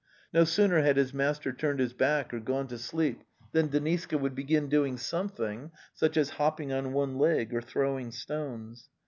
No sooner had his master turned his back or gone to sleep than Deniska would begin doing something such as hopping on one leg or throwing stones.